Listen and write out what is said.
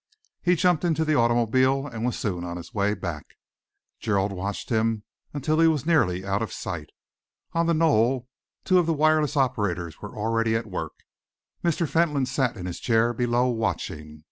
He jumped into the automobile and was soon on his way back. Gerald watched him until he was nearly out of sight. On the knoll, two of the wireless operators were already at work. Mr. Fentolin sat in his chair below, watching.